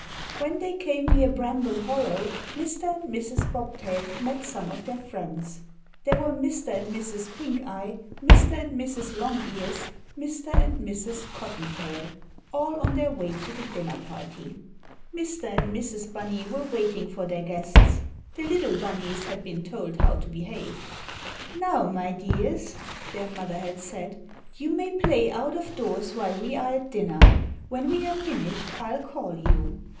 When they came near Bramble Hollow, Mr. and Mrs. Bobtail met some of their friends. There were Mr. and Mrs. Pinkeye, Mr. and Mrs. Longears, Mr. and Mrs. Cottontail, all on their way to the dinner party. Mr. and Mrs. Bunny were waiting for their guests. The little Bunnies had been told how to behave. "Now, my dears," their mother had said, "you may play out of doors while we are at dinner. When we have finished I'll call you.